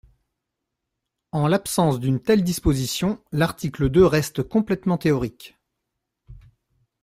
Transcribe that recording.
En l’absence d’une telle disposition, l’article deux reste complètement théorique.